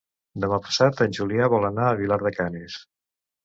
Demà passat en Julià vol anar a Vilar de Canes.